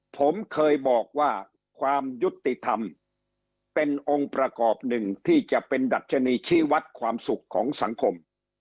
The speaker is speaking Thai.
ผมเคยบอกว่าความยุติธรรมเป็นองค์ประกอบหนึ่งที่จะเป็นดัชนีชีวัตรความสุขของสังคม